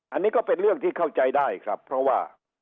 อันนี้ก็เป็นเรื่องที่เข้าใจได้ครับเพราะว่า